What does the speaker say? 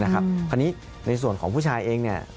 คราวนี้ในส่วนของผู้ชายเอง